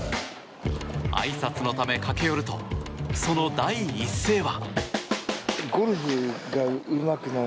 あいさつのため駆け寄るとその第一声は。